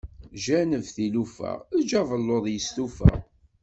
Janeb tilufa eǧǧ abelluḍ i tsufa.